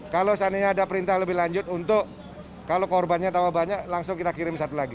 kalau seandainya ada perintah lebih lanjut untuk kalau korbannya tambah banyak langsung kita kirim satu lagi